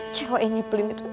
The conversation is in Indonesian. cewek yang ngebelin itu udah